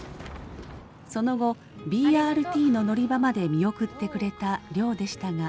その後ＢＲＴの乗り場まで見送ってくれた亮でしたが。